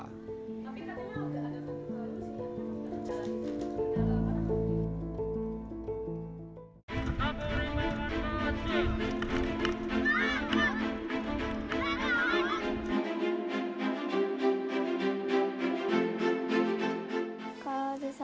kami katanya sudah ada penerbitan ijazah siswa